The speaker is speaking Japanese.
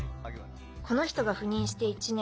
この人が赴任して１年